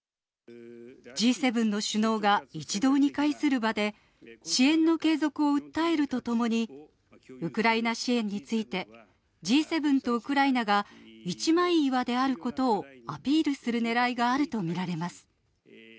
Ｇ７の首脳が一堂に会する場で、支援の継続を訴えるとともに、ウクライナ支援についてＧ７とウクライナが一枚岩であることをアピールするねらいがあると見られます。